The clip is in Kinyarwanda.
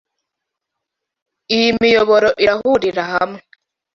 Iyi miyoboro irahurira hamwe.